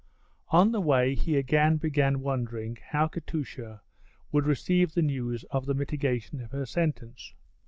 On the way he again began wondering how Katusha would receive the news of the mitigation of her sentence.